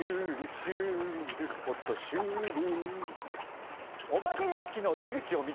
「シュールホトシュール」